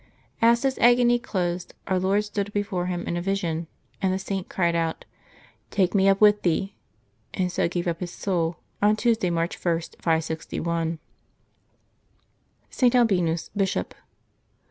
As his agony closed. Our Lord stood before him in a vision, and the Saint cried out :" Take me up with Thee/' and so gave up his soul on Tuesday, March 1, 561. ST. ALBINUS, Bishop.